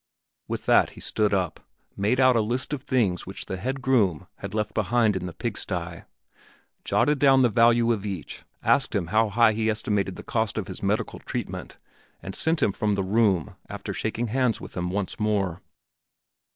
With that he stood up, made out a list of the things which the head groom had left behind in the pigsty, jotted down the value of each, asked him how high he estimated the cost of his medical treatment, and sent him from the room after shaking hands with him once more.